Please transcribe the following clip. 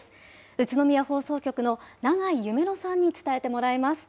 宇都宮放送局の長井ゆめのさんに伝えてもらいます。